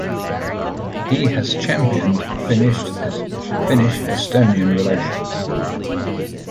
He has championed Finnish-Estonian relations.